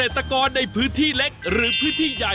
โปรดติดตามตอนต่อไป